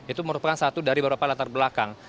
itu merupakan satu dari beberapa latar belakang